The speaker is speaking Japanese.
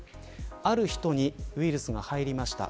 ある人にウイルスが入りました。